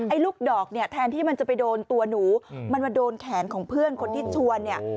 ไอ้ลูกดอกแทนที่มันจะไปโดนตัวหนูมันมาโดนแขนของเพื่อนคนที่ชวน